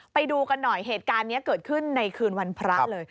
ไปดูกันหน่อยเหตุการณ์นี้เกิดขึ้นในคืนวันพระเลย